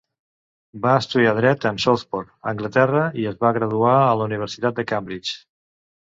Va estudiar dret en Southport, Anglaterra, i es va graduar de la Universitat de Cambridge.